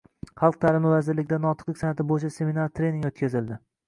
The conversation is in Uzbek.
Xalq ta’limi vazirligida notiqlik san’ati bo‘yicha seminar-trening o‘tkazildi